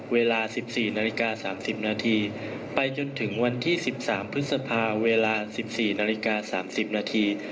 เวลาสิบสี่นาฬิกาสามสิบนาทีไปจนถึงวันที่สิบสามพฤษภาเวลาสิบสี่นาฬิกาสามสิบนาที